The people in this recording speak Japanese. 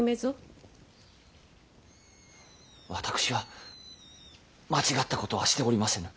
私は間違ったことはしておりませぬ。